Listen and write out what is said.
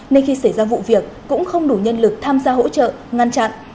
nên khi xảy ra vụ việc cũng không đủ nhân lực tham gia hỗ trợ ngăn chặn